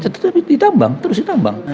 tetap ditambang terus ditambang